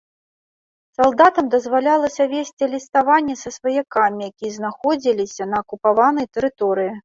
Салдатам дазвалялася весці ліставанне са сваякамі, якія знаходзіліся на акупаванай тэрыторыі.